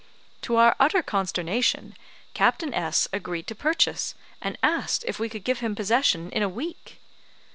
To our utter consternation, Captain S agreed to purchase, and asked if we could give him possession in a week!